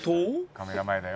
「カメラ前だよ」